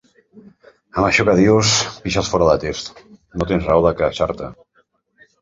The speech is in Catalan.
Amb això que dius pixes fora de test. No tens raó de queixar-te.